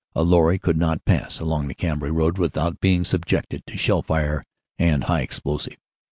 A lorry could not pass along the Cambrai Road without being sub jected to shell fire and high explosive.